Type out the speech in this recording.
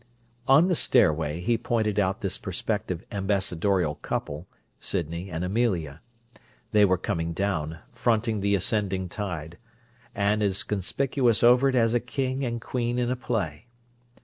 On the stairway he pointed out this prospective ambassadorial couple, Sydney and Amelia. They were coming down, fronting the ascending tide, and as conspicuous over it as a king and queen in a play.